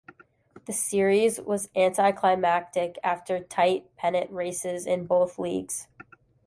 The Series was anti-climactic after tight pennant races in both leagues.